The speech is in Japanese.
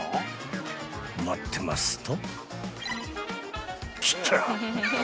［待ってますと］